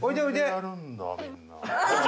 自分でやるんだみんな。